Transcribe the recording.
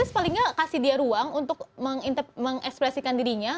paling nggak kasih dia ruang untuk mengekspresikan dirinya